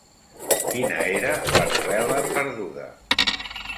Quina era la novel·la perduda?